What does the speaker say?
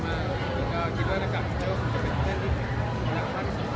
แล้วก็ครอบที่สุดคำถามอะไรครับ